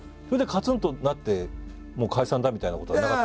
それでカツンとなってもう解散だみたいなことは。